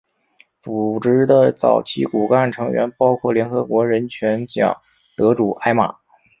组织的早期骨干成员包括联合国人权奖得主艾玛。